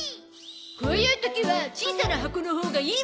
こういう時は小さな箱のほうがいいものが入ってる。